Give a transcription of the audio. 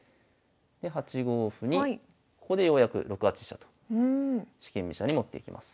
で８五歩にここでようやく６八飛車と四間飛車に持っていきます。